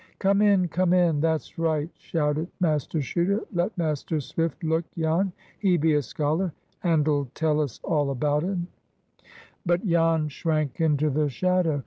"Come in, come in! That's right!" shouted Master Chuter. "Let Master Swift look, Jan. He be a scholar, and'll tell us all about un." But Jan shrank into the shadow.